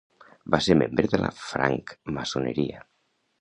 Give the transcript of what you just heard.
Va ser membre de la francmaçoneria.